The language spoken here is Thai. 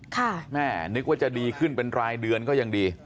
แม่นึกว่าจะดีขึ้นเป็นรายเดือนก็ยังดี